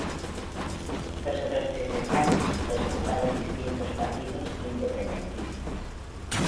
Los otros tres escaños los ocuparon distintos partidos independentistas.